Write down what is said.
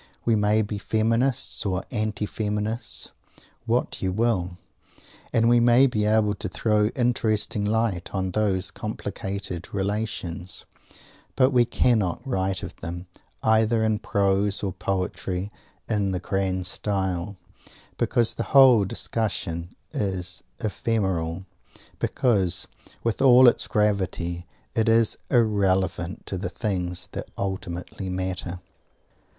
We may be Feminists or Anti Feminists what you will and we may be able to throw interesting light on these complicated relations, but we cannot write of them, either in prose or poetry, in the grand style, because the whole discussion is ephemeral; because, with all its gravity, it is irrelevant to the things that ultimately matter!